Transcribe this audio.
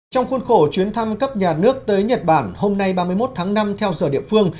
trong khuôn khổ chuyến thăm cấp nhà nước tới nhật bản hôm nay ba mươi một tháng năm theo giờ địa phương